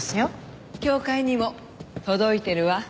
協会にも届いてるわ。